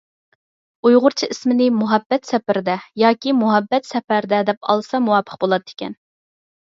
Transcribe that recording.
ئۇيغۇرچە ئىسمىنى «مۇھەببەت سەپىرىدە» ياكى «مۇھەببەت سەپەردە» دەپ ئالسا مۇۋاپىق بولاتتىكەن.